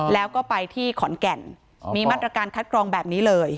แล้วก็ไปที่ขอนแก่นมีมาตรการคัดกรองแบบนี้เลย